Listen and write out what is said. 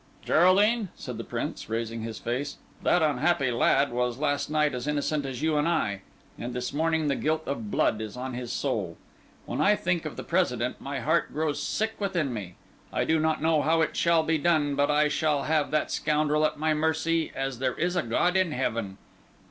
"Geraldine," said the Prince, raising his face, "that unhappy lad was last night as innocent as you and I; and this morning the guilt of blood is on his soul. When I think of the President, my heart grows sick within me. I do not know how it shall be done, but I shall have that scoundrel at my mercy as there is a God in heaven.